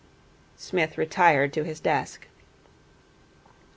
Psmith retired to his desk.